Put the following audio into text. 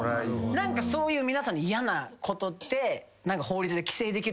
何かそういう皆さんの嫌なことで。